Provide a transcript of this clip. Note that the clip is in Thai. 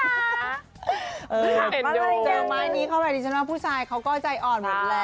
เจอไม้นี้เขาแบบนี้ฉันว่าผู้ชายเขาก็ใจอ่อนหมดแหละ